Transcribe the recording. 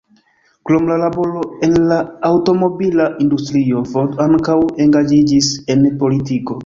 Krom la laboro en la aŭtomobila industrio, Ford ankaŭ engaĝiĝis en politiko.